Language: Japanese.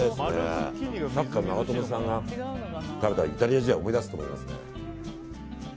サッカーの長友さんが食べたらイタリア時代を思い出すと思いますね。